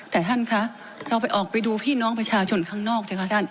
แต่ท่านคะเราไปออกไปดูพี่น้องประชาชนข้างนอกสิคะท่าน